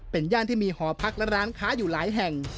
เป็นย่านที่มีหอพักและร้านค้าอยู่หลายแห่ง